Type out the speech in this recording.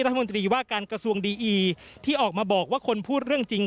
รัฐมนตรีว่าการกระทรวงดีอีที่ออกมาบอกว่าคนพูดเรื่องจริง